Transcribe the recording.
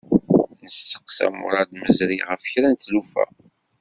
Nesteqsa Murad Mezri ɣef kra n tlufa.